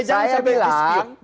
jangan sampai disini